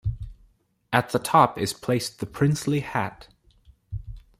At the top is placed the Princely hat.